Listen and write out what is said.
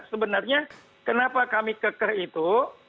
sebenarnya kenapa kami keker itu